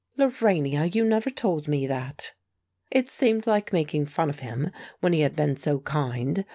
"Lorania, you never told me that!" "It seemed like making fun of him, when he had been so kind.